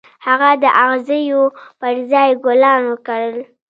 هغه د اغزيو پر ځای ګلان وکرل.